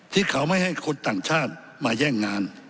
ที่เขาไม่ให้คนต่างชาติมาแย่งงาน